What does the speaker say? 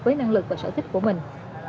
với năng lực và sở thích của mình